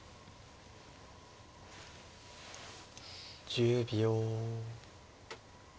１０秒。